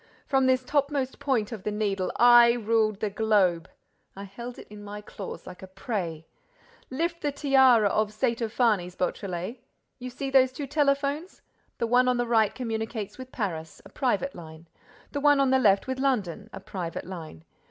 From this topmost point of the Needle, I ruled the globe! I held it in my claws like a prey! Lift the tiara of Saitapharnes, Beautrelet.—You see those two telephones? The one on the right communicates with Paris: a private line; the one on the left with London: a private line.